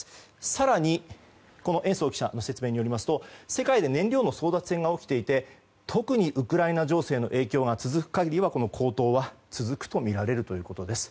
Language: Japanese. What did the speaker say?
更に、延増記者の説明によりますと世界で燃料の争奪戦が起きていて特にウクライナ情勢の影響が続く限りは高騰が続くとみられるということです。